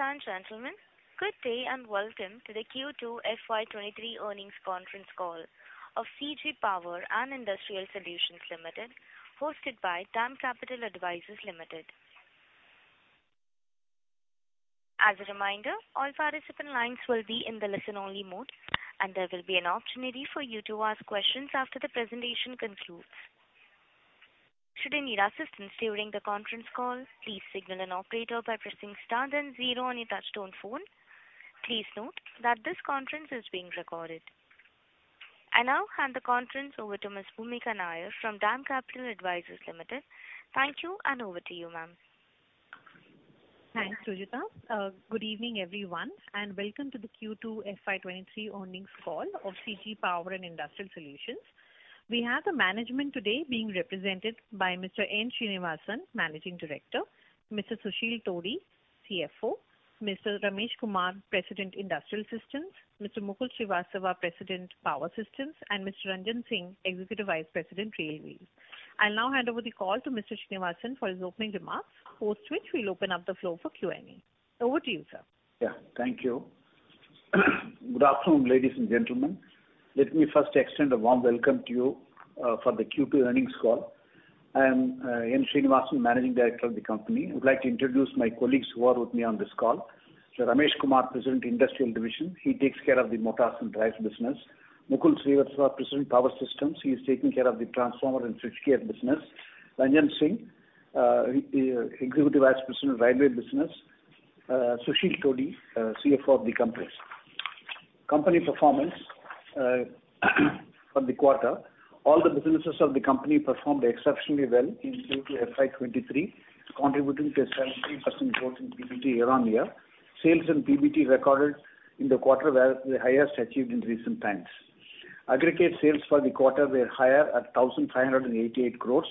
Ladies and gentlemen, good day, and welcome to the Q2 FY 2023 earnings conference call of CG Power and Industrial Solutions Limited, hosted by DAM Capital Advisors Limited. As a reminder, all participant lines will be in the listen-only mode, and there will be an opportunity for you to ask questions after the presentation concludes. Should you need assistance during the conference call, please signal an operator by pressing star then zero on your touchtone phone. Please note that this conference is being recorded. I now hand the conference over to Ms. Bhoomika Nair from DAM Capital Advisors Limited. Thank you, and over to you, ma'am. Thanks, Sujita. Good evening, everyone, and welcome to the Q2 FY23 earnings call of CG Power and Industrial Solutions. We have the management today being represented by Mr. Natarajan Srinivasan, Managing Director, Mr. Sushil Todi, CFO, Mr. Ramesh Kumar, President, Industrial Systems, Mr. Mukul Srivastava, President, Power Systems, and Mr. Ranjan Singh, Executive Vice President, Railways. I'll now hand over the call to Mr. Srinivasan for his opening remarks, post which we'll open up the floor for Q&A. Over to you, sir. Yeah. Thank you. Good afternoon, ladies and gentlemen. Let me first extend a warm welcome to you for the Q2 earnings call. I'm Natarajan Srinivasan, Managing Director of the company. I would like to introduce my colleagues who are with me on this call. Ramesh Kumar, President, Industrial Division, he takes care of the motors and drives business. Mukul Srivastava, President, Power Systems, he is taking care of the transformer and switchgear business. Ranjan Singh, Executive Vice President, Railway business. Sushil Todi, CFO of the company. Company performance for the quarter, all the businesses of the company performed exceptionally well in Q2 FY 2023, contributing to a 17% growth in PBT year-on-year. Sales and PBT recorded in the quarter were the highest achieved in recent times. Aggregate sales for the quarter were higher at 1,588 crore,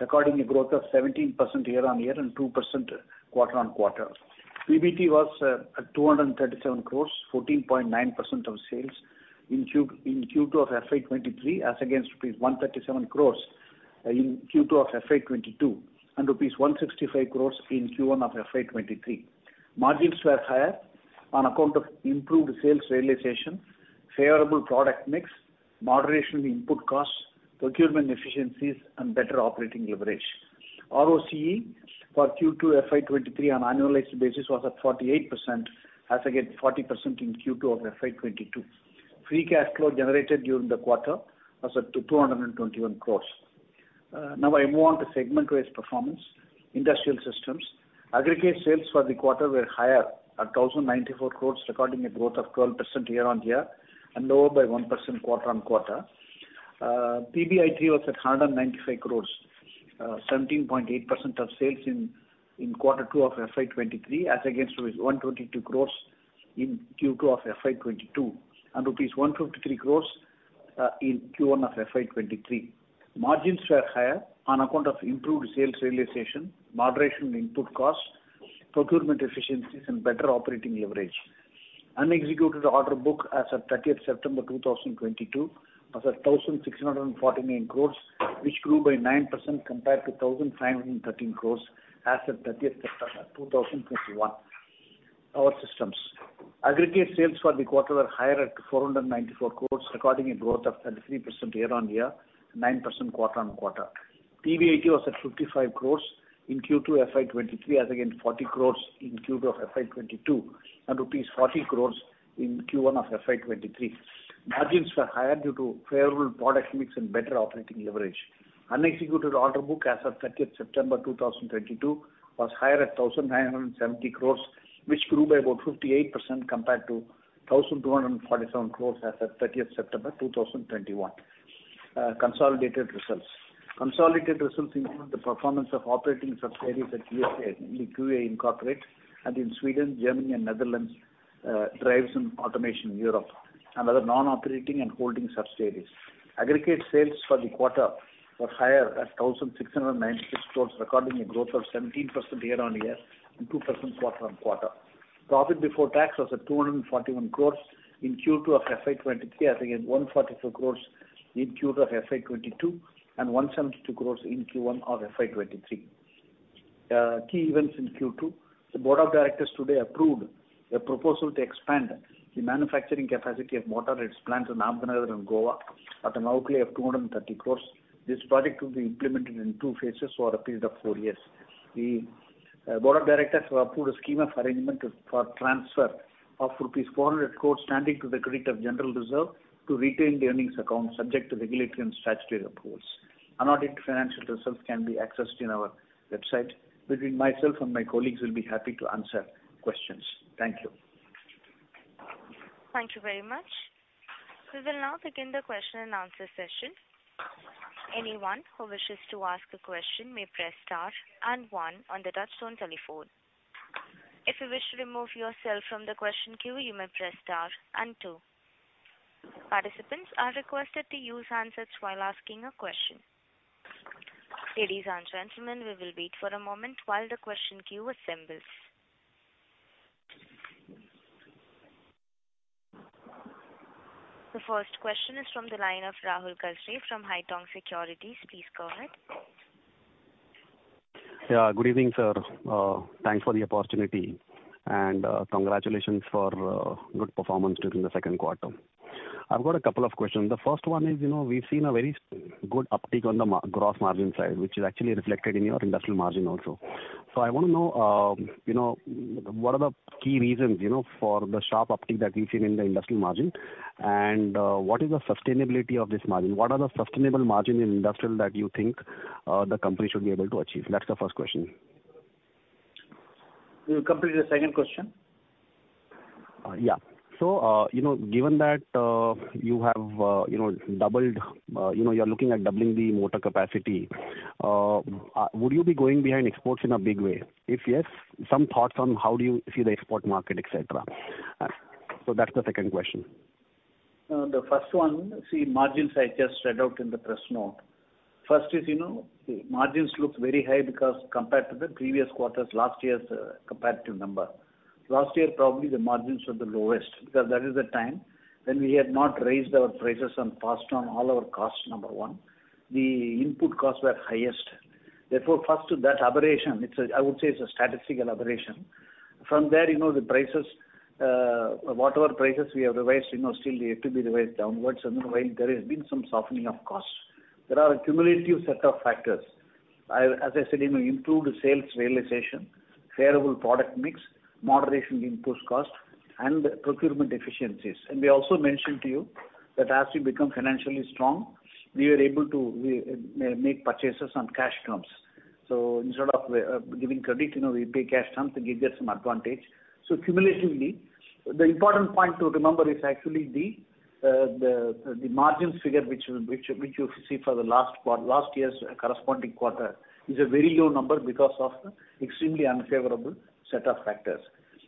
recording a growth of 17% year-on-year and 2% quarter-on-quarter. PBT was at 237 crore, 14.9% of sales in Q2 of FY 2023 as against rupees 137 crore in Q2 of FY 2022 and rupees 165 crore in Q1 of FY 2023. Margins were higher on account of improved sales realization, favorable product mix, moderation in input costs, procurement efficiencies and better operating leverage. ROCE for Q2 FY 2023 on annualized basis was at 48% as against 40% in Q2 of FY22. Free cash flow generated during the quarter was at 221 crore. Now, I move on to segment-wise performance. Industrial systems. Aggregate sales for the quarter were higher at 1,094 crore, recording a growth of 12% year-on-year and lower by 1% quarter-on-quarter. PBIT was at 195 crore, 17.8% of sales in quarter two of FY 2023, as against rupees 122 crore in Q2 of FY 2022 and rupees 153 crore in Q1 of FY 2023. Margins were higher on account of improved sales realization, moderation in input costs, procurement efficiencies and better operating leverage. Unexecuted order book as at 30th September 2022 was at 1,649 crore, which grew by 9% compared to 1,513 crore as at 30th September 2021. Power systems. Aggregate sales for the quarter were higher at 494 crore, recording a growth of 33% year-on-year and 9% quarter-on-quarter. PBIT was at 55 crore in Q2 FY 2023 as against 40 crore in Q2 of FY 2022 and rupees 40 crore in Q1 of FY 2023. Margins were higher due to favorable product mix and better operating leverage. Unexecuted order book as of 30th September 2022 was higher at 1,970 crore, which grew by about 58% compared to 1,247 crore as at 30th September 2021. Consolidated results. Consolidated results include the performance of operating subsidiaries in USA in the QEI, Inc. and in Sweden, Germany and Netherlands, drives and automation Europe and other non-operating and holding subsidiaries. Aggregate sales for the quarter were higher at 1,696 crore, recording a growth of 17% year-on-year and 2% quarter-on-quarter. Profit before tax was at 241 crore in Q2 of FY 2023 as against 144 crore in Q2 of FY 2022 and 172 crore in Q1 of FY 2023. Key events in Q2. The board of directors today approved a proposal to expand the manufacturing capacity of motor at its plants in Ahmednagar and Goa at an outlay of 230 crore. This project will be implemented in two phases over a period of four years. The board of directors have approved a scheme of arrangement for transfer of rupees 400 crore standing to the credit of general reserve to retained earnings account subject to regulatory and statutory approvals. Unaudited financial results can be accessed in our website. Between myself and my colleagues, we'll be happy to answer questions. Thank you. Thank you very much. We will now begin the question and answer session. Anyone who wishes to ask a question may press star and one on the touchtone telephone. If you wish to remove yourself from the question queue, you may press star and two. Participants are requested to use handsets while asking a question. Ladies and gentlemen, we will wait for a moment while the question queue assembles. The first question is from the line of Rahul Kasare from Haitong Securities. Please go ahead. Yeah. Good evening, sir. Thanks for the opportunity, and congratulations for good performance during the second quarter. I've got a couple of questions. The first one is, you know, we've seen a very good uptake on the gross margin side, which is actually reflected in your industrial margin also. So I wanna know, you know, what are the key reasons, you know, for the sharp uptick that we've seen in the industrial margin, and what is the sustainability of this margin? What are the sustainable margin in industrial that you think the company should be able to achieve? That's the first question. Will you complete the second question? Yeah. You know, given that, you have, you know, doubled, you know, you're looking at doubling the motor capacity, would you be going behind exports in a big way? If yes, some thoughts on how do you see the export market, et cetera. That's the second question. The first one, these margins I just read out in the press note. First is, you know, margins look very high because compared to the previous quarters, last year's comparative number. Last year probably the margins were the lowest because that is the time when we had not raised our prices and passed on all our costs, number one. The input costs were highest. Therefore, first that aberration, it's a statistical aberration. From there, you know, the prices, whatever prices we have revised, you know, still they had to be revised downwards. While there has been some softening of costs, there are a cumulative set of factors. As I said, you know, improved sales realization, favorable product mix, moderation in input cost and procurement efficiencies. We also mentioned to you that as we become financially strong, we are able to make purchases on cash terms. Instead of giving credit, you know, we pay cash terms to give that some advantage. Cumulatively, the important point to remember is actually the margins figure which you see for the last year's corresponding quarter is a very low number because of extremely unfavorable set of factors.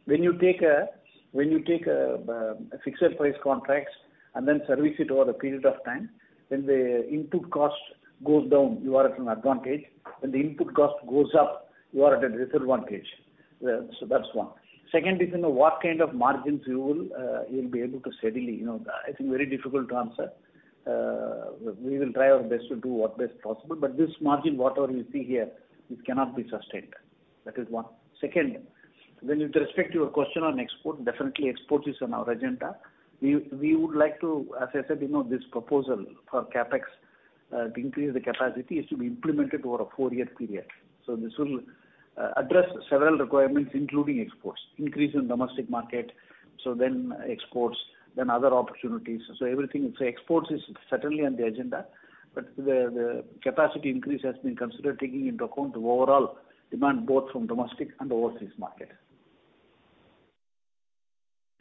When you take a fixed price contracts and then service it over a period of time, when the input cost goes down, you are at an advantage. When the input cost goes up, you are at a disadvantage. That's one. Second is, you know what kind of margins you will be able to steadily, you know, I think very difficult to answer. We will try our best to do what best possible. This margin, whatever you see here, it cannot be sustained. That is one. Second, with respect to your question on export, definitely export is on our agenda. We would like to as I said, you know, this proposal for CapEx to increase the capacity is to be implemented over a four-year period. This will address several requirements including exports, increase in domestic market, so then exports, then other opportunities. Everything, exports is certainly on the agenda. The capacity increase has been considered taking into account the overall demand both from domestic and overseas market.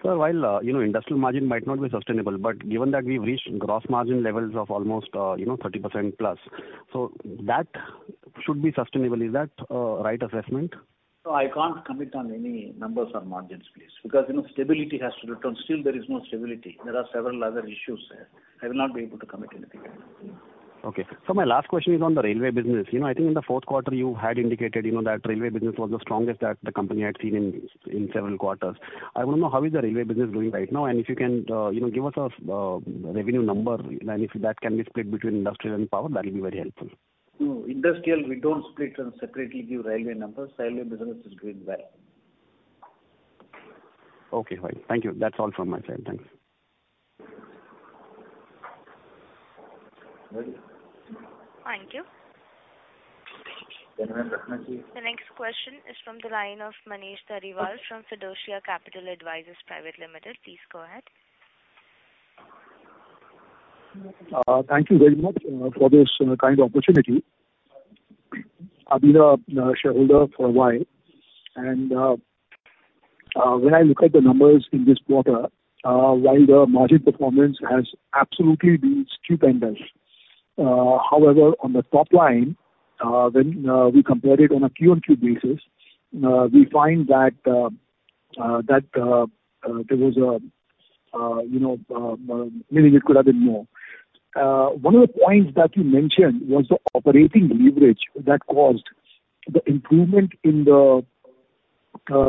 While, you know, industrial margin might not be sustainable, but given that we've reached gross margin levels of almost, you know, 30%+, so that should be sustainable. Is that right assessment? No, I can't comment on any numbers or margins, please. Because, you know, stability has to return. Still there is no stability. There are several other issues there. I will not be able to comment anything there. Okay. My last question is on the railway business. You know, I think in the fourth quarter you had indicated, you know, that railway business was the strongest that the company had seen in several quarters. I wanna know how is the railway business doing right now? And if you can, you know, give us a revenue number and if that can be split between industrial and power, that will be very helpful. No. Industrial, we don't split and separately give railway numbers. Railway business is doing well. Okay. Fine. Thank you. That's all from my side. Thanks. Ready? Thank you. The next question is from the line of Manish Dhariwal from Fiducia Capital Advisors Private Limited. Please go ahead. Thank you very much for this kind opportunity. I've been a shareholder for a while, and when I look at the numbers in this quarter, while the margin performance has absolutely been stupendous, however, on the top line, when we compare it on a Q on Q basis, we find that there was a you know, meaning it could have been more. One of the points that you mentioned was the operating leverage that caused the improvement in the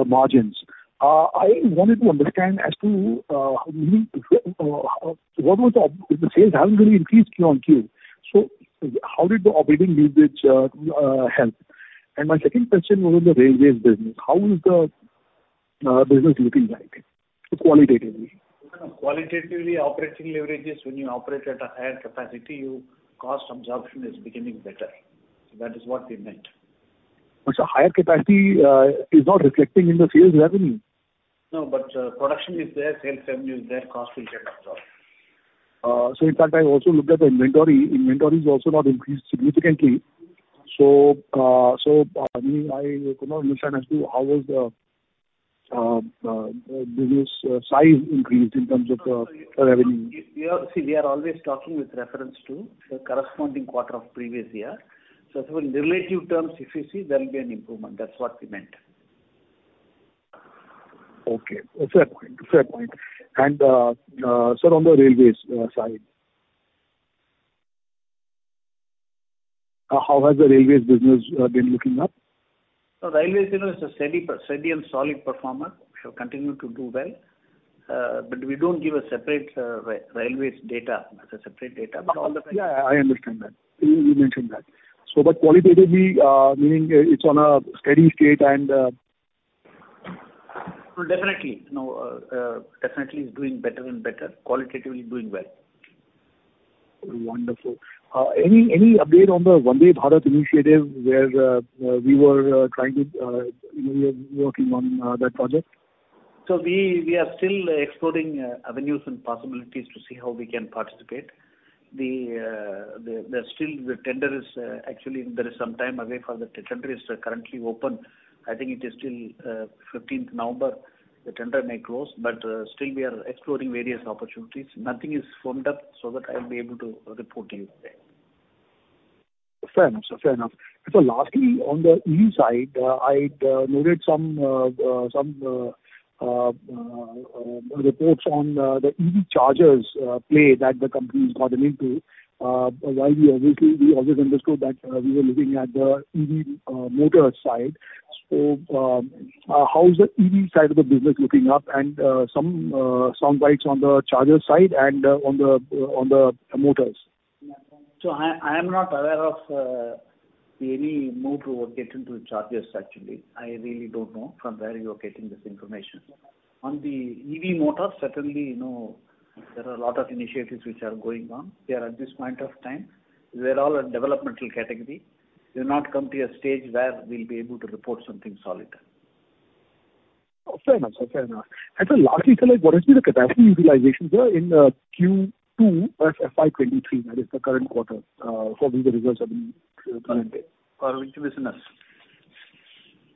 margins. I wanted to understand as to meaning if the sales haven't really increased Q on Q, so how did the operating leverage help? My second question was on the railways business. How is the business looking like qualitatively? No, no. Qualitatively operating leverage is when you operate at a higher capacity, your cost absorption is becoming better. That is what we meant. Sir, higher capacity is not reflecting in the sales revenue. No, production is there, sales revenue is there, cost will get absorbed. In fact, I also looked at the inventory. Inventory has also not increased significantly. Meaning I could not understand as to how was the business size increased in terms of revenue. See, we are always talking with reference to the corresponding quarter of previous year. In relative terms, if you see there will be an improvement. That's what we meant. Okay. Fair point. Sir, on the railways side, how has the railways business been looking up? Railways, you know, is a steady and solid performer. Continue to do well. But we don't give a separate railways data as separate data, but all the- Yeah, I understand that. You mentioned that. Qualitatively, meaning it's on a steady state and No, definitely. No, definitely it's doing better and better. Qualitatively doing well. Wonderful. Any update on the Vande Bharat initiative where we were trying to, you know, you were working on that project? We are still exploring avenues and possibilities to see how we can participate. Actually, there is some time away for the tender is currently open. I think it is till fifteenth November. The tender may close, but still we are exploring various opportunities. Nothing is firmed up so that I'll be able to report to you there. Fair enough, sir. Fair enough. Lastly, on the EV side, I'd noted some reports on the EV chargers play that the company has got into. While we obviously always understood that we were looking at the EV motor side. How is the EV side of the business looking up and some sound bites on the charger side and on the motors? I am not aware of any move to get into chargers actually. I really don't know from where you are getting this information. On the EV motors, certainly, you know, there are a lot of initiatives which are going on. They are at this point of time, they're all a developmental category. They've not come to a stage where we'll be able to report something solid. Fair enough. Lastly, sir, like what has been the capacity utilization there in Q2 of FY 2023, that is the current quarter, for which the results have been presented? For which business?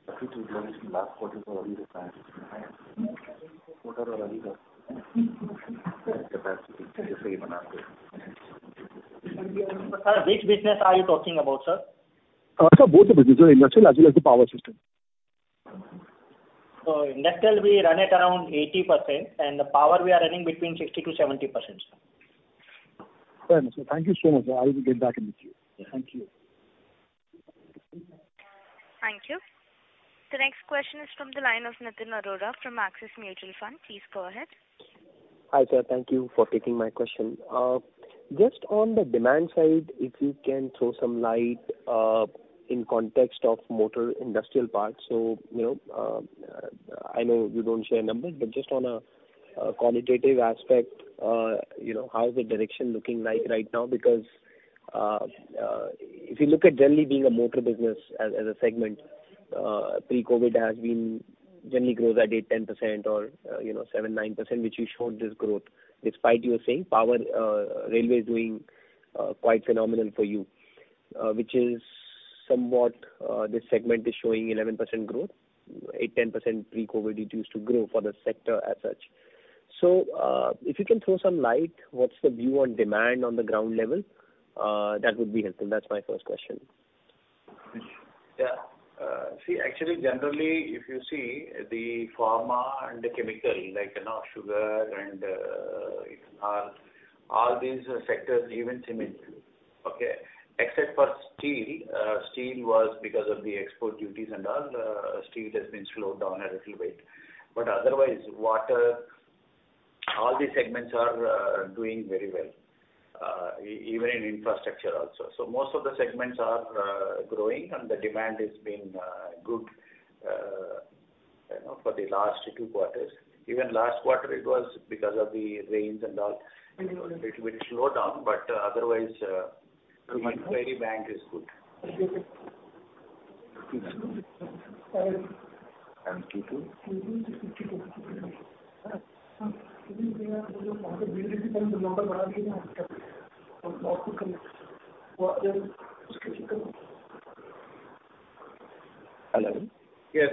Sir, which business are you talking about, sir? Sir, both the businesses, industrial as well as the power system. Industrial we run at around 80%, and the power we are running between 60%-70%, sir. Fair enough, sir. Thank you so much. I will get back in with you. Thank you. Thank you. The next question is from the line of Nitin Arora from Axis Mutual Fund. Please go ahead. Hi, sir. Thank you for taking my question. Just on the demand side, if you can throw some light, in context of motor industrial parts. You know, I know you don't share numbers, but just on a qualitative aspect, you know, how is the direction looking like right now? Because, if you look at generally being a motor business as a segment, pre-COVID has been generally grows at 8%-10% or, you know, 7%-9%, which you showed this growth. Despite you were saying power, railway is doing quite phenomenal for you, which is somewhat, this segment is showing 11% growth, 8%-10% pre-COVID it used to grow for the sector as such. If you can throw some light, what's the view on demand on the ground level? That would be helpful. That's my first question. Yeah. See, actually, generally, if you see the pharma and the chemical like, you know, sugar and all these sectors, even cement. Okay. Except for steel. Steel was because of the export duties and all, steel has been slowed down a little bit. Otherwise, water, all these segments are doing very well, even in infrastructure also. Most of the segments are growing and the demand is being good, you know, for the last two quarters. Even last quarter, it was because of the rains and all, a little bit slowed down. Otherwise, the inquiry bank is good. Hello? Yes.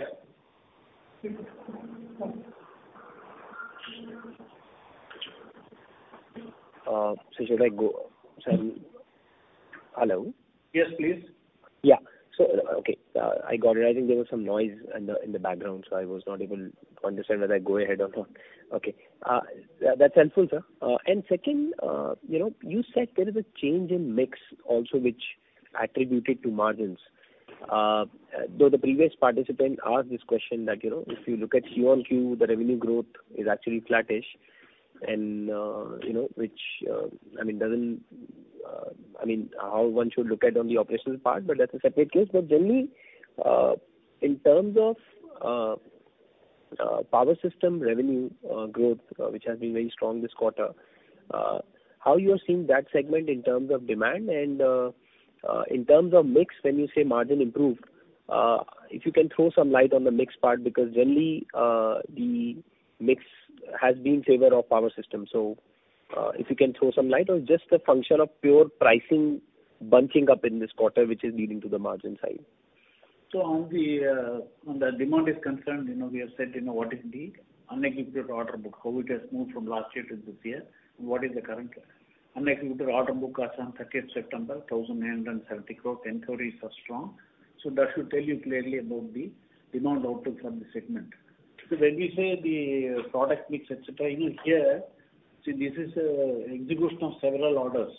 Should I go, sir? Hello? Yes, please. Yeah. Okay, I got it. I think there was some noise in the background, so I was not able to understand whether I go ahead or not. Okay. That's helpful, sir. Second, you know, you said there is a change in mix also which attributed to margins. Though the previous participant asked this question that, you know, if you look at Q-on-Q, the revenue growth is actually flattish and, you know, which, I mean, doesn't, I mean, how one should look at on the operational part, but that's a separate case. Generally, in terms of Power Systems revenue growth, which has been very strong this quarter, how you are seeing that segment in terms of demand and in terms of mix, when you say margin improved, if you can throw some light on the mix part, because generally, the mix has been in favor of Power Systems. If you can throw some light or just a function of pure pricing bunching up in this quarter, which is leading to the margin side. Far as the demand is concerned, you know, we have said, you know, what is the unexecuted order book, how it has moved from last year to this year, and what is the current unexecuted order book as on 30th September, 1,970 crore. Inquiries are strong. That should tell you clearly about the demand outlook from the segment. When we say the product mix, et cetera, you know, here, see this is execution of several orders.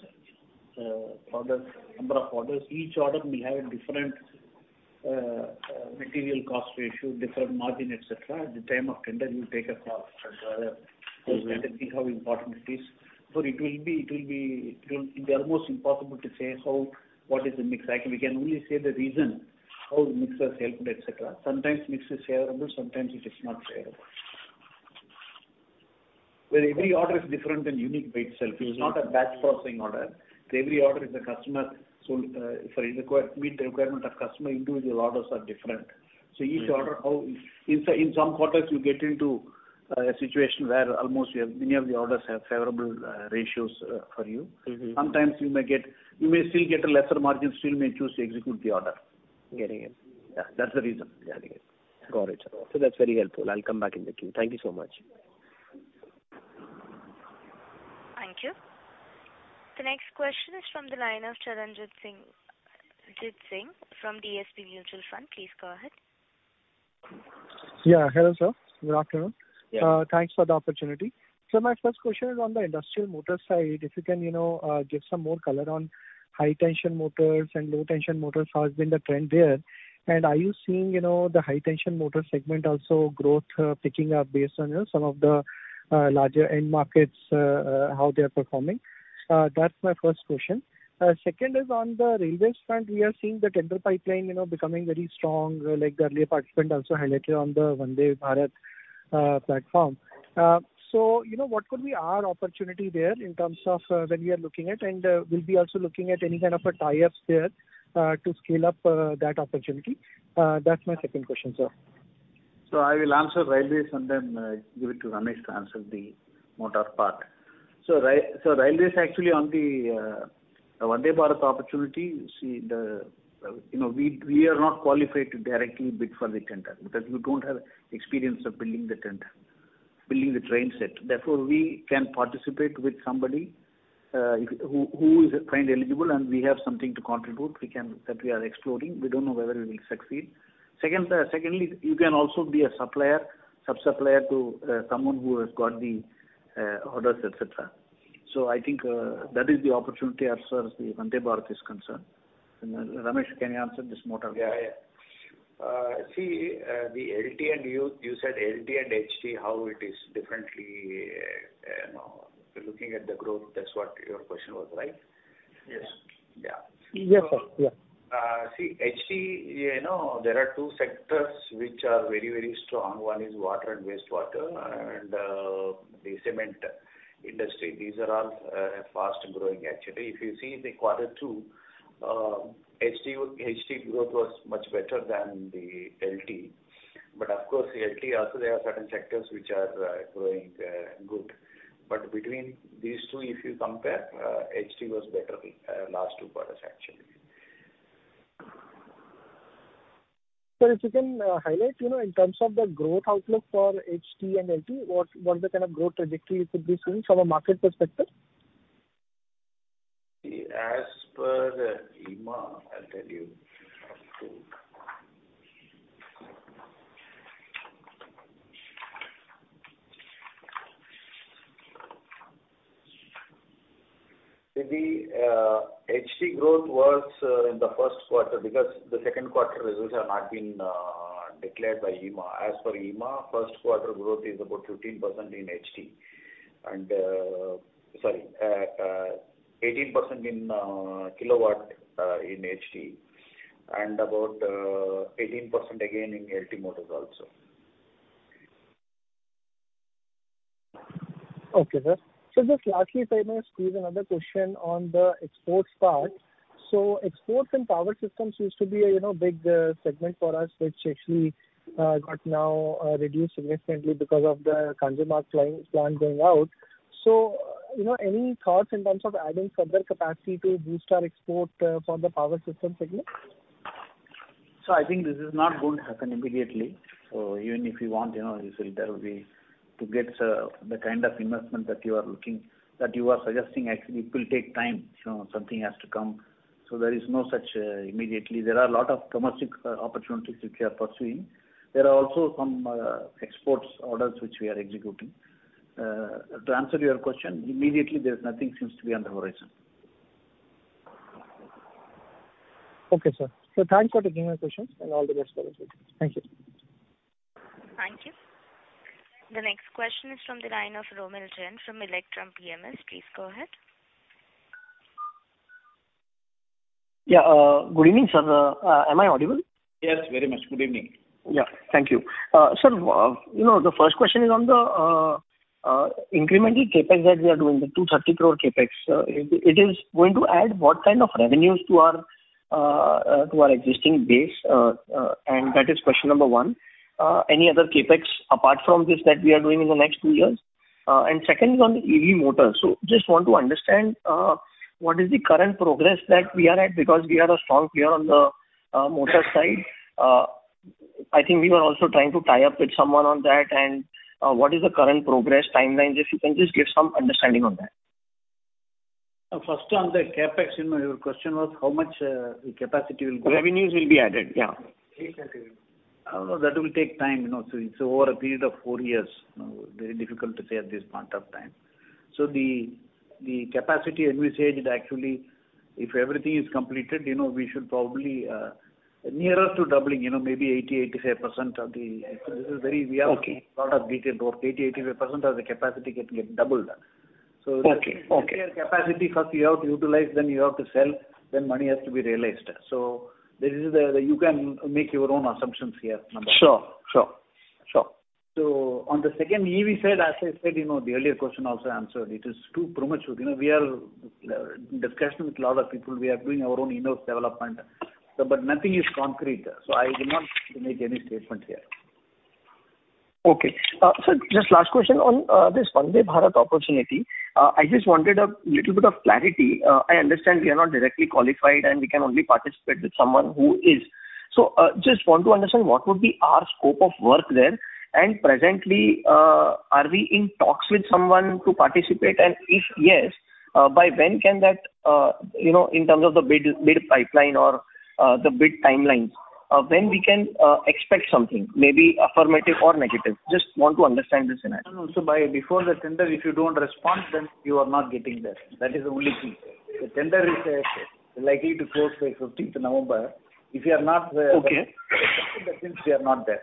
Orders, number of orders. Each order will have a different material cost ratio, different margin, et cetera. At the time of tender, we'll take a call as to how important it is. It will be almost impossible to say how, what is the mix like. We can only say the reason how the mix has helped, et cetera. Sometimes mix is favorable, sometimes it is not favorable. Well, every order is different and unique by itself. It's not a batch processing order. Every order is customer-specific to meet the requirement of customer, individual orders are different. Each order, in some quarters, you get into a situation where almost you have many of the orders have favorable ratios for you. You may still get a lesser margin, still may choose to execute the order. Getting it. Yeah, that's the reason. Got it. That's very helpful. I'll come back in the queue. Thank you so much. Thank you. The next question is from the line of Charanjit Singh from DSP Mutual Fund. Please go ahead. Yeah. Hello, sir. Good afternoon. Yeah. Thanks for the opportunity. My first question is on the industrial motor side. If you can, you know, give some more color on high tension motors and low tension motors, how has been the trend there? And are you seeing, you know, the high tension motor segment also growth picking up based on, you know, some of the larger end markets how they are performing? That's my first question. Second is on the railways front. We are seeing the tender pipeline, you know, becoming very strong, like the earlier participant also highlighted on the Vande Bharat platform. You know, what could be our opportunity there in terms of when we are looking at, and we'll be also looking at any kind of a tie-ups there to scale up that opportunity? That's my second question, sir. I will answer railways and then give it to Ramesh to answer the motor part. Railways actually on the Vande Bharat opportunity, you see, you know, we are not qualified to directly bid for the tender because we don't have experience of building the train set. Therefore, we can participate with somebody who is found eligible, and we have something to contribute. That we are exploring. We don't know whether we will succeed. Secondly, you can also be a supplier, sub-supplier to someone who has got the orders, et cetera. I think that is the opportunity as far as the Vande Bharat is concerned. Ramesh, can you answer this motor? Yeah. See, the LT and you said LT and HT, how it is differently, you know, looking at the growth. That's what your question was, right? Yes. Yeah. Yes, sir. Yeah. See, HT, you know, there are two sectors which are very, very strong. One is water and wastewater and the cement industry. These are all fast growing actually. If you see the quarter two, HT growth was much better than the LT. But of course, LT also there are certain sectors which are growing good. But between these two, if you compare, HT was better the last two quarters actually. Sir, if you can highlight in terms of the growth outlook for HT and LT, what's the kind of growth trajectory you could be seeing from a market perspective? As per IEEMA, I'll tell you. The HT growth was in the first quarter because the second quarter results have not been declared by IEEMA. As per IEEMA, first quarter growth is about 15% in HT. Sorry. 18% in kilowatt in HT and about 18% again in LT motors also. Okay, sir. Just lastly, if I may squeeze another question on the exports part. Exports and power systems used to be a you know big segment for us, which actually got now reduced significantly because of the Kanjurmarg plant going out. You know, any thoughts in terms of adding further capacity to boost our export for the power system segment? I think this is not going to happen immediately. Even if you want, you know, this will either be to get, the kind of investment that you are looking, that you are suggesting, actually it will take time. You know, something has to come. There is no such, immediately. There are a lot of commercial, opportunities which we are pursuing. There are also some, exports orders which we are executing. To answer your question, immediately there's nothing seems to be on the horizon. Okay, sir. Thanks for taking my questions and all the best for the future. Thank you. Thank you. The next question is from the line of Romil Jain from Electrum PMS. Please go ahead. Yeah. Good evening, sir. Am I audible? Yes, very much. Good evening. Yeah. Thank you. Sir, you know, the first question is on the incremental CapEx that we are doing, the 230 crore CapEx. It is going to add what kind of revenues to our existing base? And that is question number one. Any other CapEx apart from this that we are doing in the next two years? And second is on the EV motors. So just want to understand what is the current progress that we are at because we are a strong player on the motor side. I think we were also trying to tie up with someone on that and what is the current progress timelines, if you can just give some understanding on that. First on the CapEx, you know, your question was how much the capacity will go. Revenues will be added, yeah. Exactly. That will take time, you know. It's over a period of four years. You know, very difficult to say at this point of time. The capacity envisaged actually, if everything is completed, you know, we should probably nearer to doubling, you know, maybe 85% of the. This is very Okay. We have to do lot of detailed work. 80%-85% of the capacity can get doubled. Okay. Okay. Capacity first you have to utilize, then you have to sell, then money has to be realized. You can make your own assumptions here. Sure. On the second EV side, as I said, you know, the earlier question also answered, it is too premature. You know, we are in discussion with a lot of people. We are doing our own in-house development, but nothing is concrete. I will not make any statement here. Okay. Sir, just last question on this Vande Bharat opportunity. I just wanted a little bit of clarity. I understand we are not directly qualified, and we can only participate with someone who is. Just want to understand what would be our scope of work there. Presently, are we in talks with someone to participate? And if yes, by when can that, you know, in terms of the bid pipeline or the bid timelines, when we can expect something maybe affirmative or negative? Just want to understand the scenario. Before the tender, if you don't respond, then you are not getting there. That is the only key. The tender is likely to close by 15th November. If you are not, Okay. That means we are not there.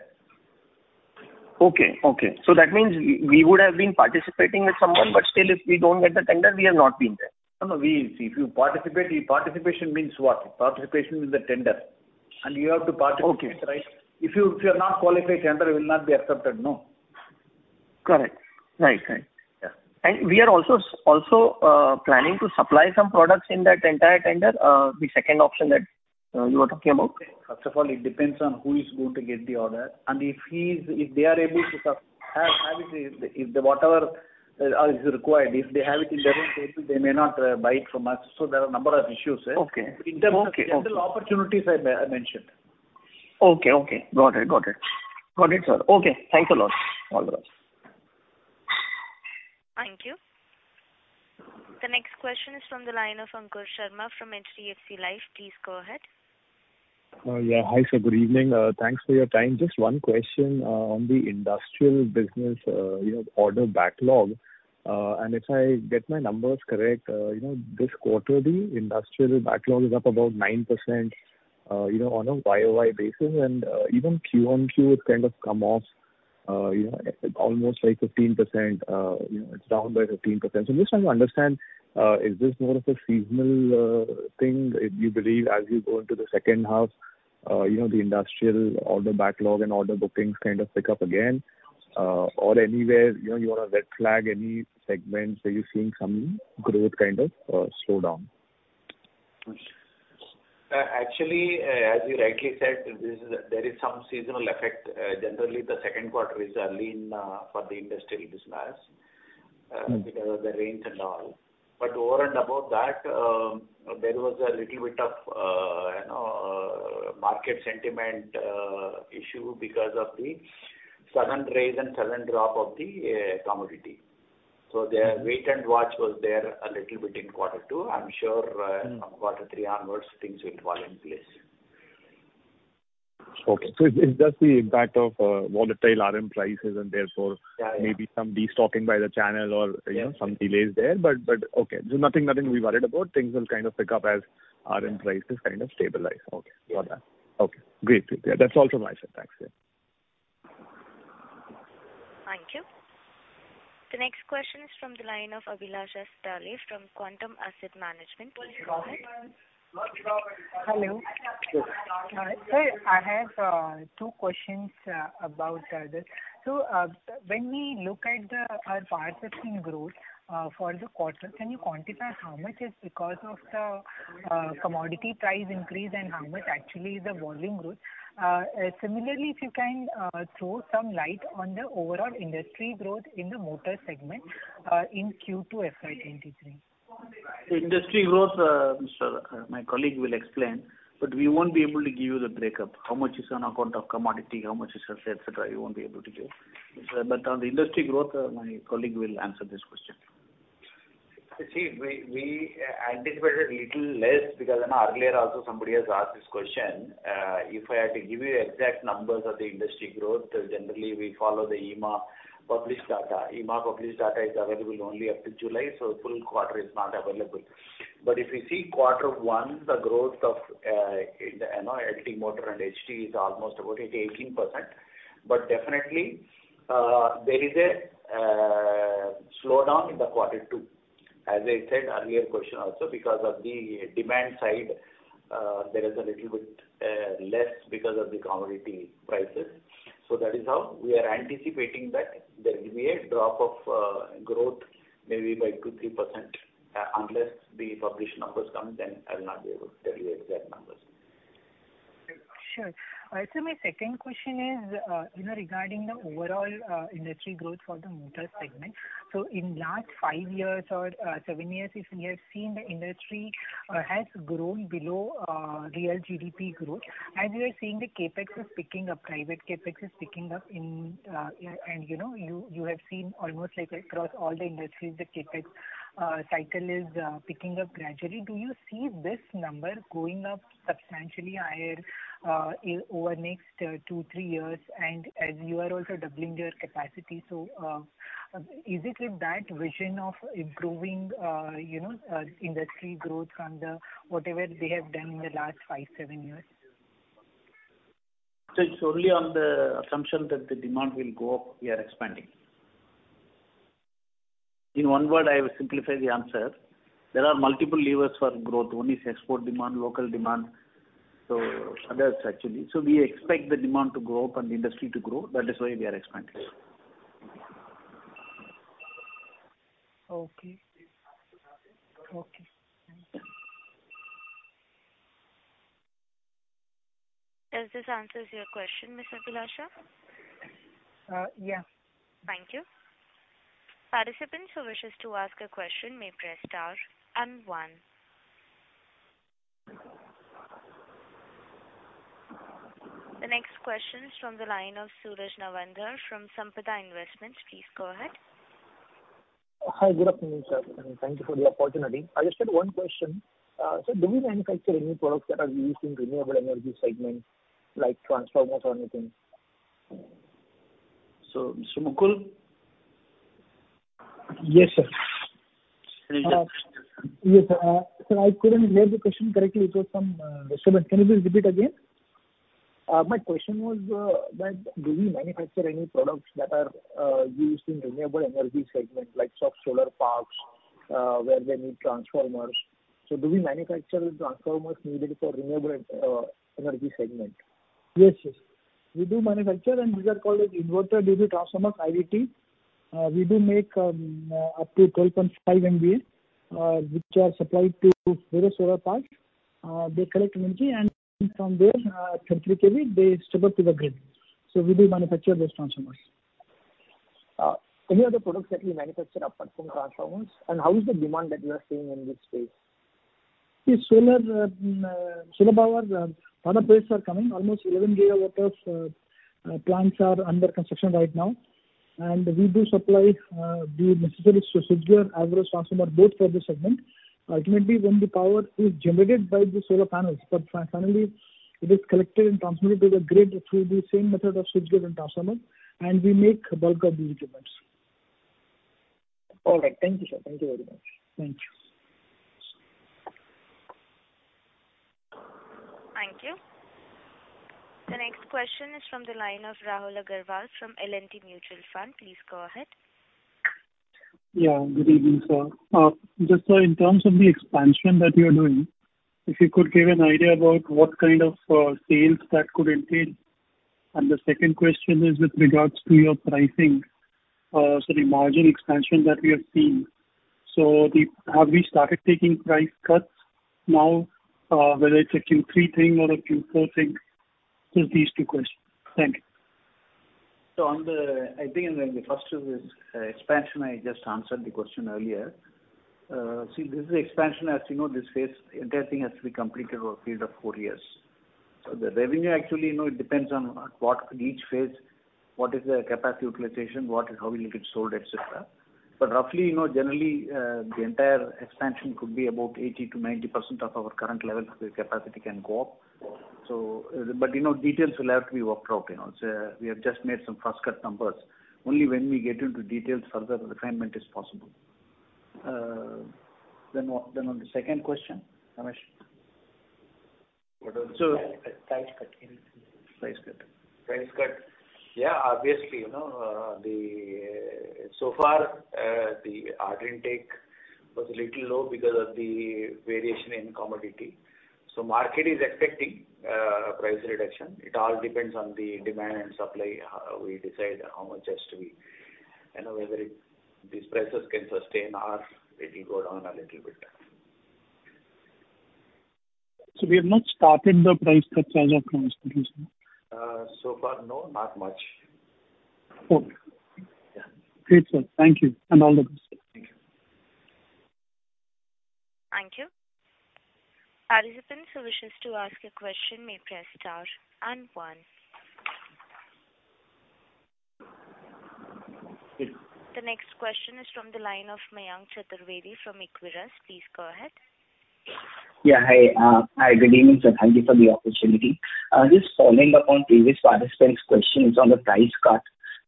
That means we would have been participating with someone, but still, if we don't get the tender, we have not been there. No, no. If you participate, participation means what? Participation in the tender. You have to participate, right? Okay. If you are not qualified tender, you will not be accepted. No. Correct. Right. Right. Yeah. We are also planning to supply some products in that entire tender, the second option that you are talking about. First of all, it depends on who is going to get the order, and if they are able to have it, if the whatever is required, if they have it in their own paper, they may not buy it from us. There are number of issues. Okay. In terms of tender opportunities, I mentioned. Okay. Got it, sir. Okay. Thanks a lot. All the best. Thank you. The next question is from the line of Ankur Sharma from HDFC Life. Please go ahead. Hi, sir. Good evening. Thanks for your time. Just one question on the industrial business, you know, order backlog. If I get my numbers correct, you know, this quarter, the industrial backlog is up about 9%, you know, on a YOY basis. Even Q on Q, it's kind of come off, you know, almost like 15%. You know, it's down by 15%. I'm just trying to understand, is this more of a seasonal thing? If you believe as we go into the second half, you know, the industrial order backlog and order bookings kind of pick up again? Or anywhere, you know, you wanna red flag any segments where you're seeing some growth kind of slow down? Actually, as you rightly said, there is some seasonal effect. Generally the second quarter is a lean for the industrial business because of the rains and all. Over and above that, there was a little bit of, you know, market sentiment issue because of the sudden rise and sudden drop of the commodity. The wait and watch was there a little bit in quarter two. I'm sure quarter three onwards things will fall in place. Okay. It's just the impact of volatile RM prices and therefore. Yeah, yeah. Maybe some destocking by the channel or, you know. Yeah. Some delays there, but okay. Nothing to be worried about. Things will kind of pick up as RM prices kind of stabilize. Okay. Yeah. Got that. Okay, great. Yeah, that's all from my side. Thanks. Yeah. Thank you. The next question is from the line of Abhilasha Satale from Quantum Asset Management. Please go ahead. Hello. Yes. Sir, I have two questions about this. When we look at our power 16% growth for the quarter, can you quantify how much is because of the commodity price increase and how much actually is the volume growth? Similarly, if you can throw some light on the overall industry growth in the motor segment in Q2 FY 2023. Industry growth, sir, my colleague will explain, but we won't be able to give you the breakup. How much is on account of commodity, how much is on sales, etcetera, we won't be able to give. On the industry growth, my colleague will answer this question. See, we anticipated little less because earlier also somebody has asked this question. If I had to give you exact numbers of the industry growth, generally we follow the IEEMA published data. IEEMA published data is available only up till July, so full quarter is not available. If you see quarter one, the growth of, you know, HT motor and LT is almost about 18%. Definitely, there is a slowdown in the quarter two. As I said earlier question also because of the demand side, there is a little bit less because of the commodity prices. That is how we are anticipating that there will be a drop of growth maybe by 2%-3% unless the published numbers come, then I'll not be able to tell you exact numbers. Sure. My second question is, you know, regarding the overall industry growth for the motor segment. In last five years or seven years, if we have seen the industry has grown below real GDP growth, as we are seeing the CapEx is picking up, private CapEx is picking up, and you know, you have seen almost like across all the industries, the CapEx cycle is picking up gradually. Do you see this number going up substantially higher over next two, three years? And as you are also doubling your capacity, is it with that vision of improving, you know, industry growth from the whatever they have done in the last five, seven years? It's only on the assumption that the demand will go up, we are expanding. In one word, I will simplify the answer. There are multiple levers for growth. One is export demand, local demand, so others actually. We expect the demand to go up and the industry to grow. That is why we are expanding. Okay. Okay. Thanks. Does this answer your question, Ms. Abhilasha? Yeah. Thank you. Participants who wishes to ask a question may press star and one. The next question is from the line of Suraj Navandar from Sampada Investments. Please go ahead. Hi. Good afternoon, sir, and thank you for the opportunity. I just had one question. Do we manufacture any products that are used in renewable energy segment, like transformers or anything? Mr. Mukul Srivastava? Yes, sir. Please. Yes, sir, I couldn't hear the question correctly. It was some disturbance. Can you please repeat again? My question was, that do we manufacture any products that are used in renewable energy segment, like solar parks, where they need transformers. Do we manufacture the transformers needed for renewable energy segment? Yes. We do manufacture, and these are called inverter duty transformer, IDT. We do make up to 12.5 MVA, which are supplied to various solar parks. They collect energy and from there, 30 KV, they supply to the grid. We do manufacture those transformers. Any other products that we manufacture apart from transformers, and how is the demand that you are seeing in this space? The solar power plants are coming. Almost 11 GW of plants are under construction right now, and we do supply the necessary switchgear as well as transformer both for this segment. Ultimately, when the power is generated by the solar panels, finally it is collected and transmitted to the grid through the same method of switchgear and transformer, and we make bulk of these equipments. All right. Thank you, sir. Thank you very much. Thank you. Thank you. The next question is from the line of Rahul Agarwal from L&T Mutual Fund. Please go ahead. Yeah, good evening, sir. Just so in terms of the expansion that you're doing, if you could give an idea about what kind of sales that could entail. The second question is with regards to your pricing, sorry, margin expansion that we have seen. Have we started taking price cuts now, whether it's a Q3 thing or a Q4 thing? Just these two questions. Thank you. I think on the first of this expansion, I just answered the question earlier. See, this is expansion. As you know, this phase, the entire thing has to be completed over a period of four years. The revenue actually, you know, it depends on what each phase, what is the capacity utilization, what and how will it get sold, et cetera. But roughly, you know, generally, the entire expansion could be about 80%-90% of our current level the capacity can go up. But you know, details will have to be worked out, you know. We have just made some first cut numbers. Only when we get into details further refinement is possible. Then on the second question, Ramesh? So- Price cut. Anything. Price cut. Price cut. Yeah. Obviously, you know, so far, the order intake was a little low because of the variation in commodity. Market is expecting price reduction. It all depends on the demand and supply. We decide how much has to be, you know, whether it, these prices can sustain or it will go down a little bit. We have not started the price cuts as of now. So far, no, not much. Okay. Yeah. Great, sir. Thank you, and all the best. Thank you. Thank you. Participants who wishes to ask a question may press star and one. The next question is from the line of Mayank Chaturvedi from Equirus. Please go ahead. Yeah. Hi. Good evening, sir. Thank you for the opportunity. Just following up on previous participant's questions on the price cut.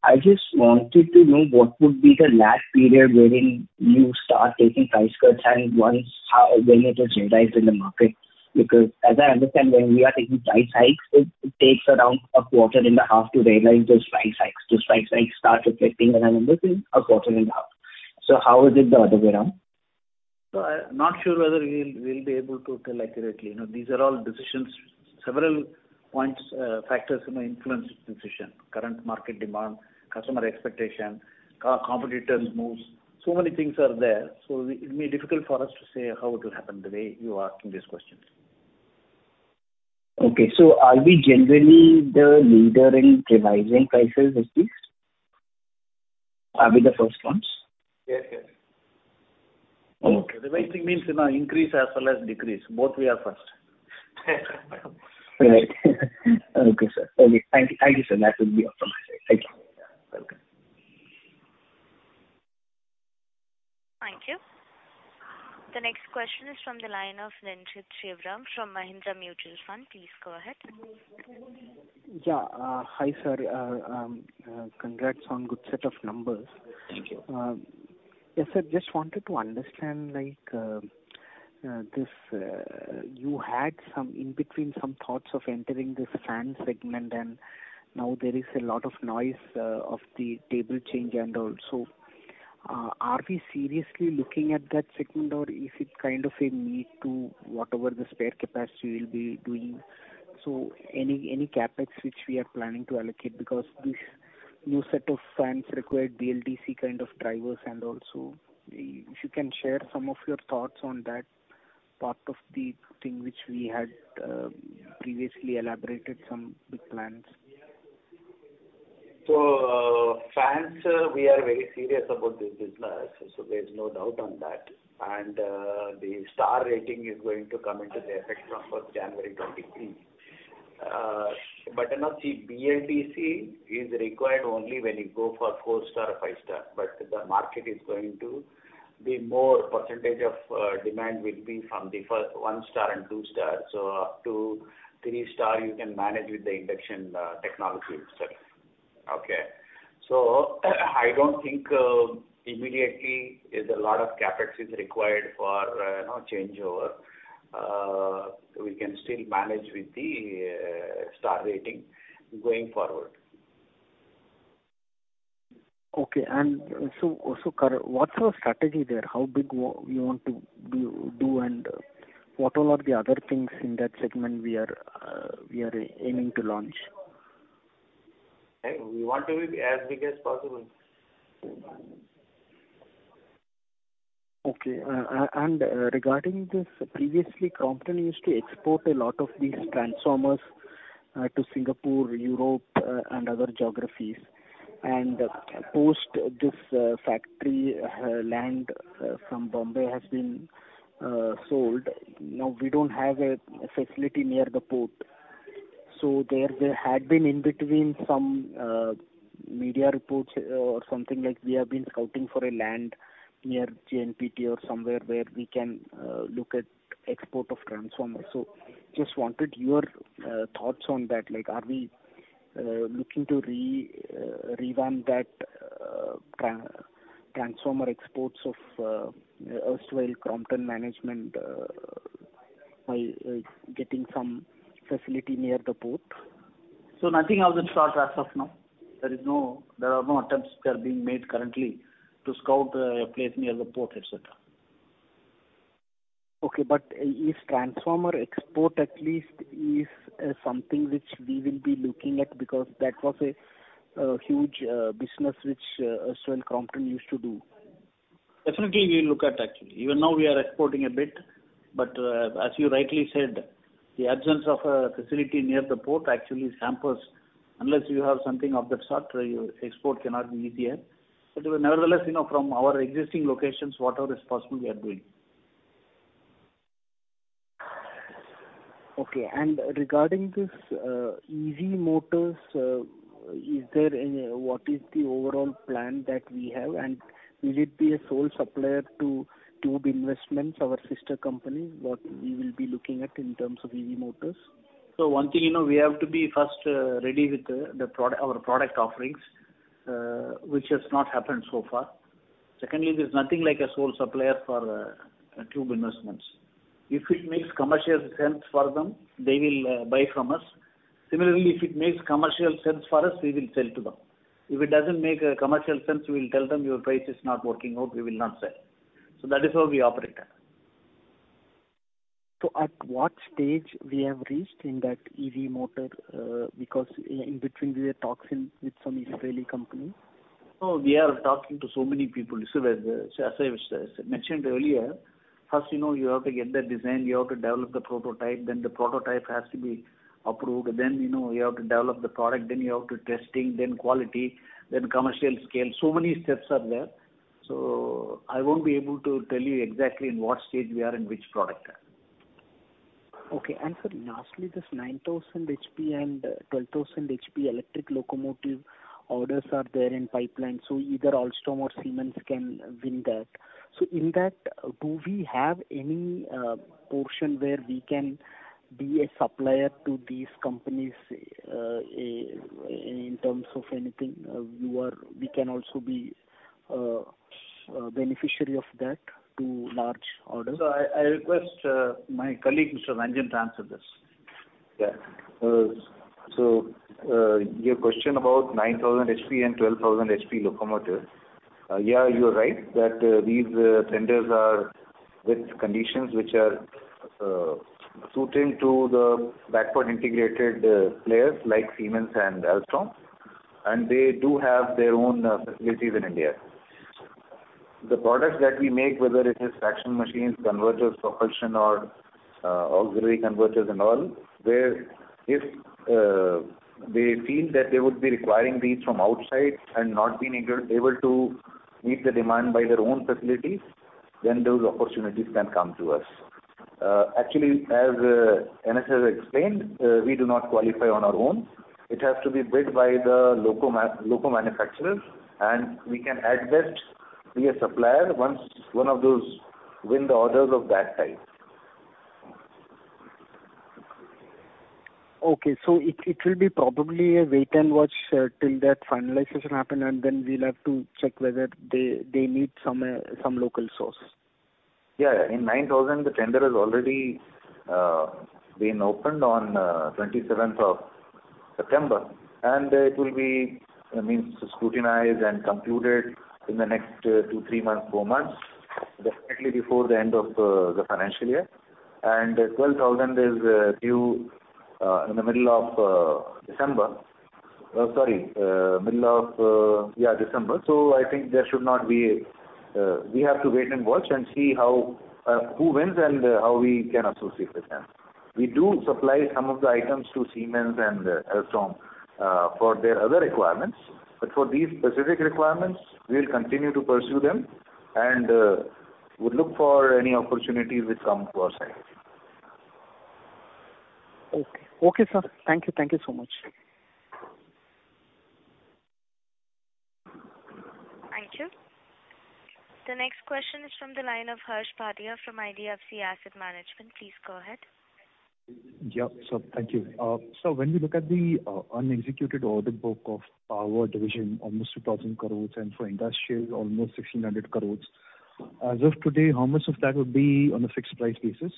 I just wanted to know what would be the lag period wherein you start taking price cuts and once, how, when it is realized in the market. Because as I understand, when we are taking price hikes, it takes around a quarter and a half to realize those price hikes. The price hikes start reflecting around, I think, a quarter and a half. How is it the other way around? I'm not sure whether we'll be able to tell accurately. You know, these are all decisions, several points, factors, you know, influence decision, current market demand, customer expectation, co-competitors' moves. Many things are there, so it may be difficult for us to say how it will happen the way you are asking these questions. Okay. Are we generally the leader in revising prices at least? Are we the first ones? Yes, yes. Okay. Revising means, you know, increase as well as decrease. Both we are first. Right. Okay, sir. Thank you, sir. That will be all from my side. Thank you. Welcome. Thank you. The next question is from the line of Renjith Sivaram from Mahindra Mutual Fund. Please go ahead. Yeah. Hi, sir. Congrats on good set of numbers. Thank you. Yes, sir, just wanted to understand, like, this, you had some in-between some thoughts of entering this fans segment, and now there is a lot of noise of the tariff change and also. Are we seriously looking at that segment or is it kind of a need to whatever the spare capacity we'll be doing? Any CapEx which we are planning to allocate because this new set of fans require BLDC kind of drivers and also if you can share some of your thoughts on that part of the thing which we had previously elaborated some big plans. Fans, we are very serious about this business, so there is no doubt on that. The star rating is going to come into effect from 1st January 2023. Now see, BLDC is required only when you go for four-star or five-star, but the market is going to be more percentage of demand will be from the one-star and two-star. Up to three-star you can manage with the induction technology itself. Okay. I don't think immediately a lot of CapEx is required for you know, changeover. We can still manage with the star rating going forward. Okay. What's our strategy there? How big we want to build and what all are the other things in that segment we are aiming to launch? We want to be as big as possible. Okay. Regarding this, previously Crompton used to export a lot of these transformers to Singapore, Europe, and other geographies. Post this factory land from Bombay has been sold. Now, we don't have a facility near the port, so there had been in between some media reports or something like we have been scouting for a land near JNPT or somewhere where we can look at export of transformers. Just wanted your thoughts on that. Like, are we looking to revamp that transformer exports of erstwhile Crompton management by getting some facility near the port? Nothing of that sort as of now. There are no attempts which are being made currently to scout a place near the port, et cetera. Okay. Is transformer export at least something which we will be looking at? Because that was a huge business which erstwhile Crompton used to do. Definitely we'll look at actually. Even now we are exporting a bit, but, as you rightly said, the absence of a facility near the port actually hampers. Unless you have something of that sort, your export cannot be easier. But nevertheless, you know, from our existing locations, whatever is possible we are doing. Okay. Regarding this, EV motors, what is the overall plan that we have? Will it be a sole supplier to Tube Investments, our sister company? What we will be looking at in terms of EV motors? One thing, you know, we have to be first ready with our product offerings, which has not happened so far. Secondly, there's nothing like a sole supplier for Tube Investments. If it makes commercial sense for them, they will buy from us. Similarly, if it makes commercial sense for us, we will sell to them. If it doesn't make commercial sense, we will tell them your price is not working out, we will not sell. That is how we operate there. At what stage we have reached in that EV motor? Because in between we are talking with some Israeli company. No, we are talking to so many people. As I mentioned earlier, first, you know, you have to get the design, you have to develop the prototype, then the prototype has to be approved, then, you know, you have to develop the product, then you have to testing, then quality, then commercial scale. Many steps are there. I won't be able to tell you exactly in what stage we are in which product. Okay. Sir, lastly, this 9,000 HP and 12,000 HP electric locomotive orders are there in pipeline, either Alstom or Siemens can win that. In that, do we have any portion where we can be a supplier to these companies, in terms of anything, we can also be beneficiary of that to large orders? I request my colleague Mr. Manjunath to answer this. Yeah, your question about 9,000 HP and 12,000 HP locomotive. Yeah, you are right that these tenders are with conditions which are suiting to the backward integrated players like Siemens and Alstom, and they do have their own facilities in India. The products that we make, whether it is traction machines, converters, propulsion or auxiliary converters and all, where if they feel that they would be requiring these from outside and not being able to meet the demand by their own facilities, then those opportunities can come to us. Actually, as NSS explained, we do not qualify on our own. It has to be bid by the local manufacturers, and we can act as a supplier once one of those win the orders of that type. Okay. It will be probably a wait and watch till that finalization happen, and then we'll have to check whether they need some local source. Yeah. In 9,000, the tender has already been opened on 27th of September, and it will be, I mean, scrutinized and concluded in the next two, three months, four months, definitely before the end of the financial year. 12,000 is due in the middle of December. I think there should not be. We have to wait and watch and see how who wins and how we can associate with them. We do supply some of the items to Siemens and Alstom for their other requirements. For these specific requirements, we'll continue to pursue them and we'll look for any opportunity which come to our side. Okay, sir. Thank you. Thank you so much. Thank you. The next question is from the line of Harsh Pathak from IDFC Asset Management. Please go ahead. Thank you. When we look at the unexecuted order book of power division, almost 2,000 crore and for industrial almost 1,600 crore, as of today, how much of that would be on a fixed price basis?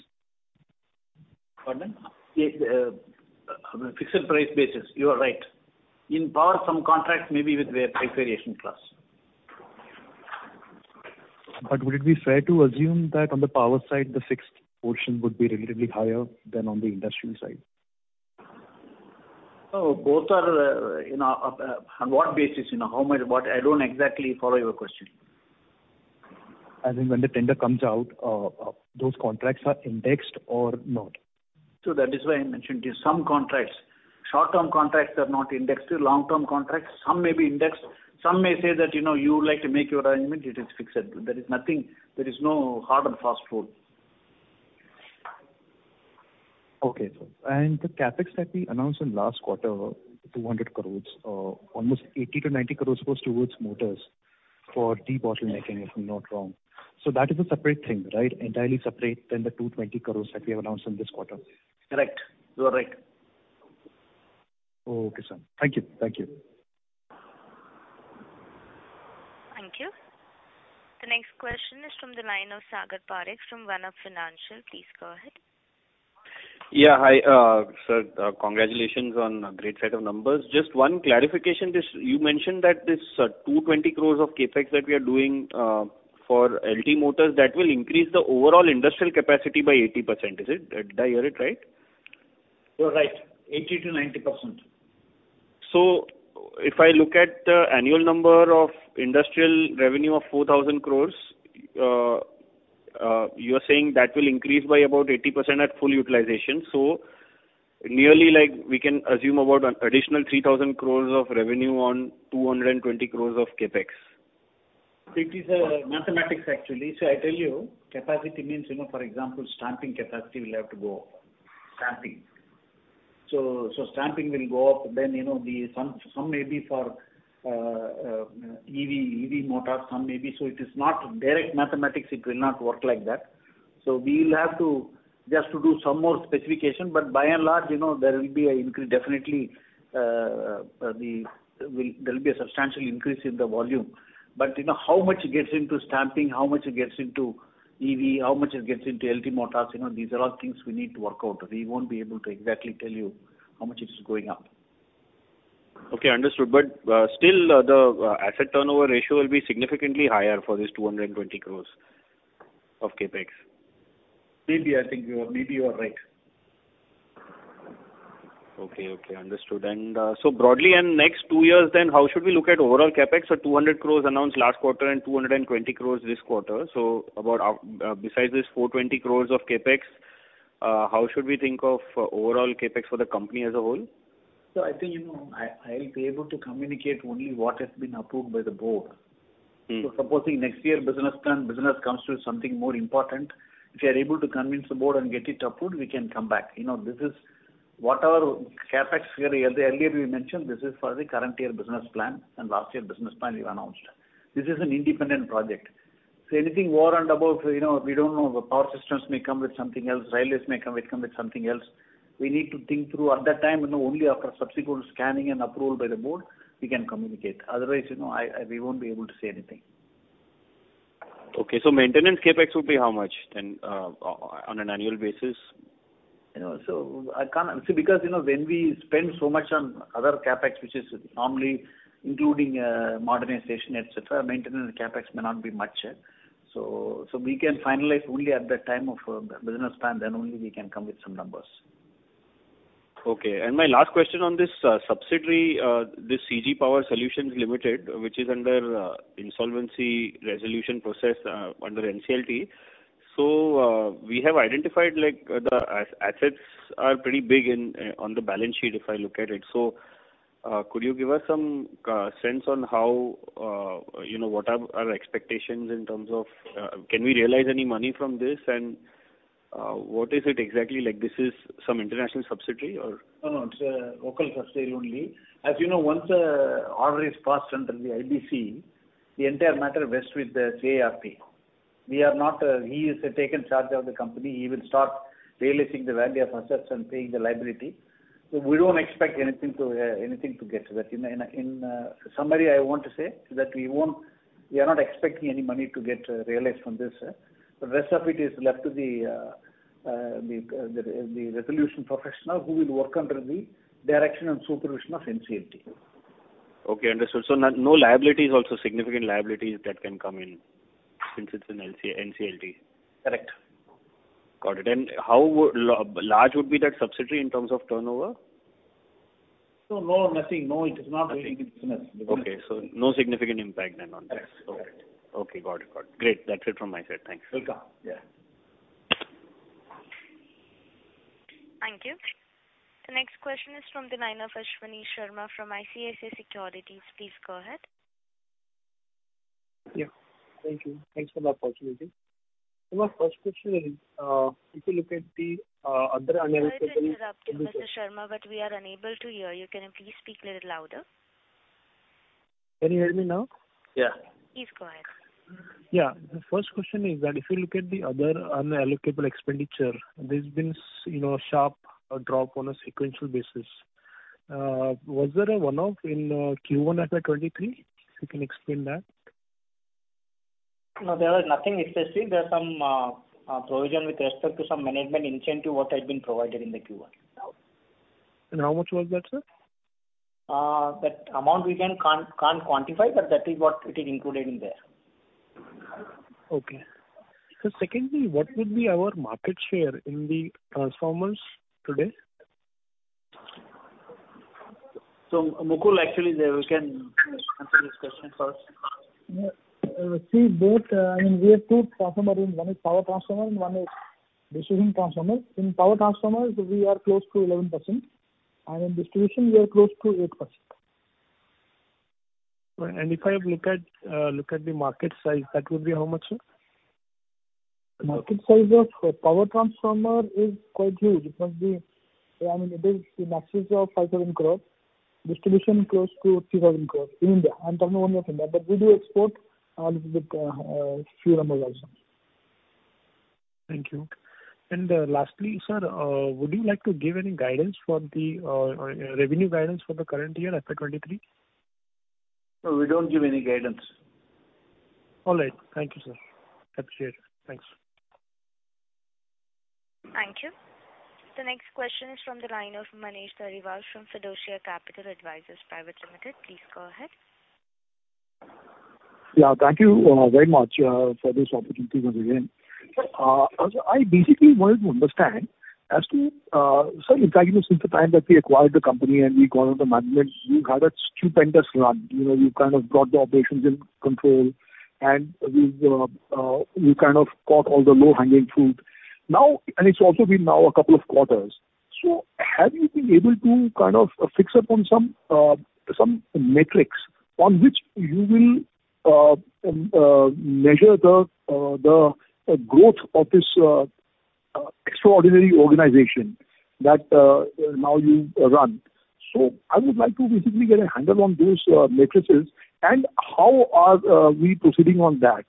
Pardon? Yeah, on a fixed price basis, you are right. In power, some contracts may be with their price variation clause. Would it be fair to assume that on the power side, the fixed portion would be relatively higher than on the industrial side? No, both are, you know, on what basis, you know, how much, what? I don't exactly follow your question. As in when the tender comes out, those contracts are indexed or not. That is why I mentioned you some contracts. Short-term contracts are not indexed. Long-term contracts, some may be indexed, some may say that, you know, you like to make your arrangement, it is fixed. There is nothing. There is no hard and fast rule. Okay, sir. The CapEx that we announced in last quarter, 200 crore, almost 80 crore- 90 crore goes towards motors for debottlenecking, if I'm not wrong. That is a separate thing, right? Entirely separate than the 220 crore that we have announced in this quarter. Correct. You are right. Okay, sir. Thank you. Thank you. Thank you. The next question is from the line of Sagar Parekh from Vana Financial. Please go ahead. Hi, sir, congratulations on a great set of numbers. Just one clarification. You mentioned that this 220 crore of CapEx that we are doing for LT motors will increase the overall industrial capacity by 80%. Is it? Did I hear it right? You're right, 80%-90%. If I look at the annual number of industrial revenue of 4,000 crore, you're saying that will increase by about 80% at full utilization. Nearly like we can assume about an additional 3,000 crore of revenue on 220 crore of CapEx. It is mathematics actually. I tell you, capacity means, you know, for example, stamping capacity will have to go up. Stamping. Stamping will go up. You know, some may be for EV motors, some may be. It is not direct mathematics. It will not work like that. We will have to just to do some more specification. By and large, you know, there will be an increase, definitely, there'll be a substantial increase in the volume. You know, how much it gets into stamping, how much it gets into EV, how much it gets into LT motors, you know, these are all things we need to work out. We won't be able to exactly tell you how much it is going up. Okay, understood. Still, the asset turnover ratio will be significantly higher for this 220 crore of CapEx. Maybe. I think you are right. Okay. Understood. Broadly in the next two years, how should we look at overall CapEx at 200 crore announced last quarter and 220 crore this quarter? Besides this 420 crore of CapEx, how should we think of overall CapEx for the company as a whole? I think, you know, I'll be able to communicate only what has been approved by the board. Mm-hmm. Supposing next year business plan, business comes to something more important, if we are able to convince the board and get it approved, we can come back. You know, this is whatever CapEx here earlier we mentioned, this is for the current year business plan and last year business plan we've announced. This is an independent project. Anything over and above, you know, we don't know. The power systems may come with something else, railways may come with something else. We need to think through at that time, you know, only after subsequent scanning and approval by the board, we can communicate. Otherwise, you know, we won't be able to say anything. Okay. Maintenance CapEx will be how much then on an annual basis? You know, See, because, you know, when we spend so much on other CapEx, which is normally including, modernization, et cetera, maintenance CapEx may not be much. We can finalize only at that time of the business plan, then only we can come with some numbers. Okay. My last question on this subsidiary, this CG Power Solutions Ltd., which is under insolvency resolution process under NCLT. We have identified like the assets are pretty big on the balance sheet if I look at it. Could you give us some sense on how you know what are our expectations in terms of can we realize any money from this? What is it exactly? Like, this is some international subsidiary or? No, no, it's a local subsidiary only. As you know, once an order is passed under the IBC, the entire matter vests with the IRP. We are not, he has taken charge of the company. He will start realizing the value of assets and paying the liability. We don't expect anything from that. In summary, I want to say that we are not expecting any money to get realized from this. The rest of it is left to the resolution professional who will work under the direction and supervision of NCLT. Okay, understood. No liabilities also, significant liabilities that can come in since it's in NCLT. Correct. Got it. How large would be that subsidiary in terms of turnover? No, it is not a big business. Okay. No significant impact then on this. Correct. Okay. Got it. Great. That's it from my side. Thanks. Welcome. Yeah. Thank you. The next question is from the line of Ashwani Sharma from ICICI Securities. Please go ahead. Yeah. Thank you. Thanks for the opportunity. My first question is, if you look at the other unallocated- Sorry to interrupt you, Mr. Sharma, but we are unable to hear you. Can you please speak little louder? Can you hear me now? Yeah. Please go ahead. Yeah. The first question is that if you look at the other unallocatable expenditure, there's been, you know, a sharp drop on a sequential basis. Was there a one-off in Q1 FY 2023? If you can explain that. No, there was nothing excessive. There's some provision with respect to some management incentive that had been provided in the Q1. How much was that, sir? That amount we can't quantify, but that is what it is included in there. Okay. Secondly, what would be our market share in the transformers today? Mukul actually there, we can answer this question first. See both. I mean, we have two transformer, one is power transformer and one is distribution transformer. In power transformer, we are close to 11%, and in distribution we are close to 8%. If I look at the market size, that would be how much, sir? Market size of power transformer is quite huge. It must be, I mean, it is in excess of 5,000 crore. Distribution close to 3,000 crore in India. I'm talking only of India, but we do export, little bit, few numbers also. Thank you. Lastly, sir, would you like to give any guidance for the revenue guidance for the current year, FY 2023? No, we don't give any guidance. All right. Thank you, sir. Appreciate it. Thanks. Thank you. The next question is from the line of Manish Dhariwal from Fiducia Capital Advisors Private Limited. Please go ahead. Yeah. Thank you, very much, for this opportunity once again. Also I basically wanted to understand as to, in fact, you know, since the time that we acquired the company and we got on the management, you've had a stupendous run. You know, you kind of got the operations in control, and we've kind of got all the low-hanging fruit. Now it's also been now a couple of quarters. Have you been able to kind of focus on some metrics on which you will measure the growth of this extraordinary organization that now you run? I would like to basically get a handle on those metrics and how we are proceeding on that?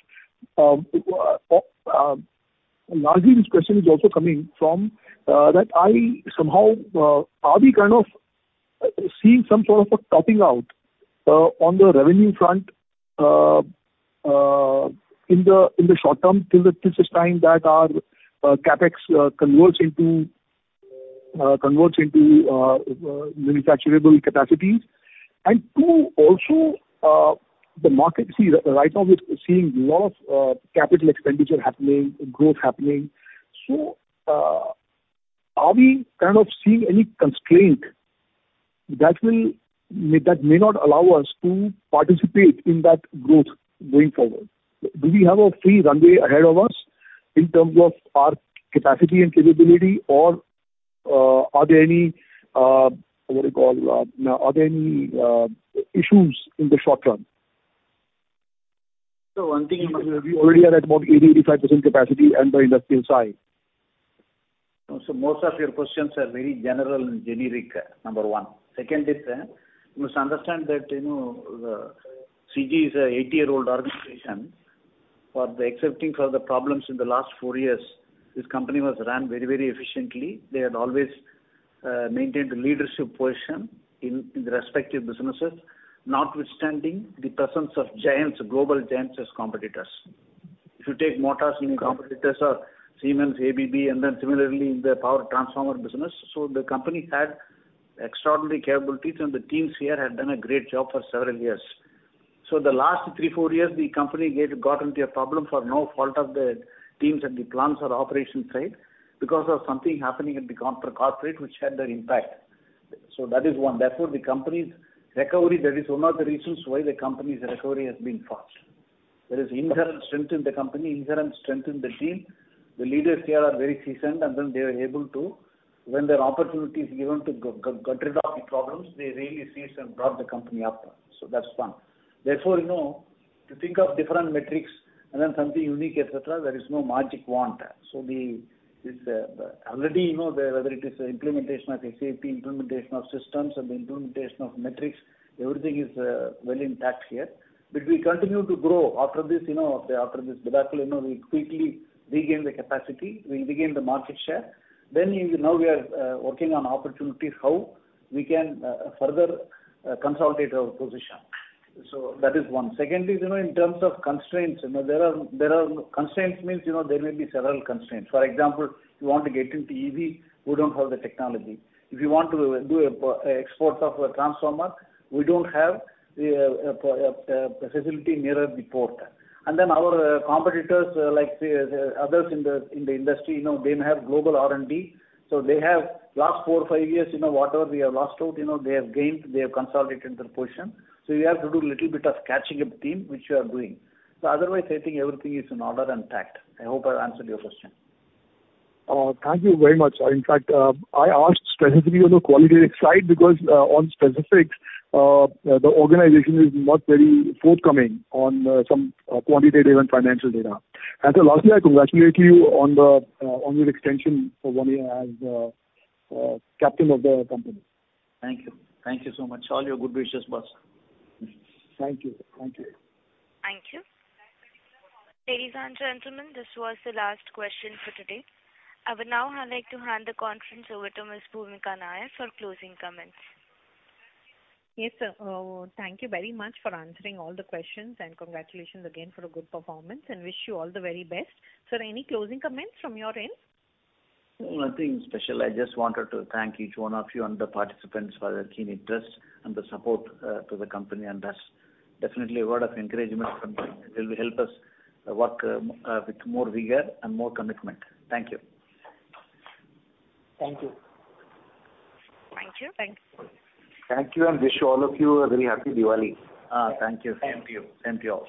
Largely this question is also coming from that I somehow are we kind of seeing some sort of a topping out on the revenue front in the short term till such time that our CapEx converts into manufacturable capacities? Two, also, the market. See, right now we're seeing lot of capital expenditure happening, growth happening. Are we kind of seeing any constraint that may not allow us to participate in that growth going forward? Do we have a free runway ahead of us in terms of our capacity and capability or are there any issues in the short run? One thing, we already are at about 80%-85% capacity and the industry is high. Most of your questions are very general and generic, number one. Second is, you must understand that, you know, CG is a 80-year-old organization. Excepting for the problems in the last four years, this company was ran very, very efficiently. They had always maintained a leadership position in the respective businesses, notwithstanding the presence of giants, global giants as competitors. If you take motors, new competitors are Siemens, ABB, and then similarly in the power transformer business. The company had extraordinary capabilities and the teams here had done a great job for several years. The last three, four years, the company got into a problem for no fault of the teams at the plants or operations side because of something happening at the corporate which had their impact. That is one. Therefore, the company's recovery, that is one of the reasons why the company's recovery has been fast. There is inherent strength in the company, inherent strength in the team. The leaders here are very seasoned, and then they are able to. When there are opportunities given to get rid of the problems, they really seize and drive the company up. That's one. Therefore, you know, to think of different metrics and then something unique, et cetera, there is no magic wand. This already you know, whether it is the implementation of SAP, implementation of systems and the implementation of metrics, everything is well intact here. We continue to grow. After this, you know, after this debacle, you know, we quickly regain the capacity, we regain the market share. Now we are working on opportunities how we can further consolidate our position. That is one. Second is, you know, in terms of constraints, you know, there are constraints means, you know, there may be several constraints. For example, you want to get into EV, we don't have the technology. If you want to do exports of a transformer, we don't have the facility near the port. Our competitors, like the others in the industry, you know, they have global R&D. They have last four or five years, you know, whatever we have lost out, you know, they have gained, they have consolidated their position. We have to do a little bit of catching up to them, which we are doing. Otherwise, I think everything is in order and intact. I hope I answered your question. Thank you very much. In fact, I asked specifically on the qualitative side because on specifics, the organization is not very forthcoming on some quantitative and financial data. Lastly, I congratulate you on your extension for one year as captain of the company. Thank you. Thank you so much. All your good wishes, boss. Thank you. Thank you. Thank you. Ladies and gentlemen, this was the last question for today. I would now like to hand the conference over to Ms. Bhoomika Nair for closing comments. Yes, thank you very much for answering all the questions, and congratulations again for a good performance and wish you all the very best. Sir, any closing comments from your end? Nothing special. I just wanted to thank each one of you and the participants for their keen interest and the support to the company and us. Definitely a word of encouragement from you will help us work with more vigor and more commitment. Thank you. Thank you. Thank you. Thanks. Thank you, and wish all of you a very happy Diwali. Thank you all.